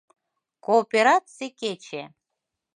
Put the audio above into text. КООПЕРАЦИЙ КЕЧЕ